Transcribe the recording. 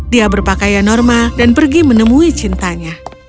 dia berpakaian normal dan pergi menemui cintanya